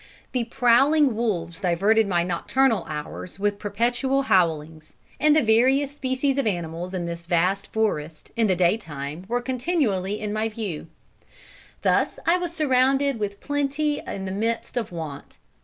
The prowling wolves diverted my nocturnal hours with perpetual howlings, and the various species of animals in this vast forest, in the day time were continually in my view. Thus I was surrounded with plenty in the midst of want.